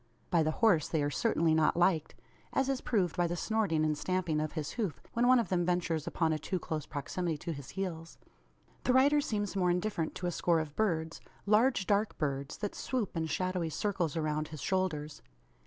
By the horse they are certainly not liked; as is proved by the snorting and stamping of his hoof, when one of them ventures upon a too close proximity to his heels. The rider seems more indifferent to a score of birds large dark birds that swoop in shadowy circles around his shoulders.